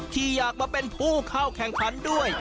ที่อยากมาเป็นผู้เข้าแข่งขันด้วย